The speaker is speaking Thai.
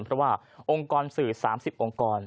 เพราะว่าองค์กรสื่อ๓๐องค์กร